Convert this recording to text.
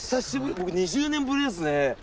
僕２０年ぶりですね